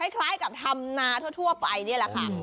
คล้ายกับทำนาทั่วไปนี่แหละค่ะ